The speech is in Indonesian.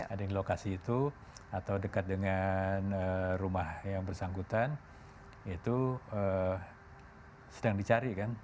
ada yang di lokasi itu atau dekat dengan rumah yang bersangkutan itu sedang dicari kan